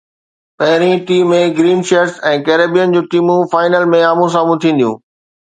پهرئين ٽي ۾ green shirts ۽ Caribbean جون ٽيمون فائنل ۾ آمهون سامهون ٿينديون